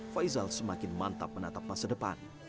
faizal semakin mantap menatap masa depan